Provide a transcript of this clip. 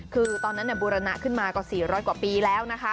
คือตอนนั้นบูรณะขึ้นมากว่า๔๐๐กว่าปีแล้วนะคะ